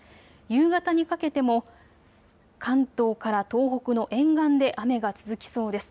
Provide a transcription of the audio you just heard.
夕方にかけても関東から東北の沿岸で雨が続きそうです。